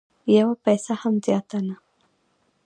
یوه پیسه هم زیاته نه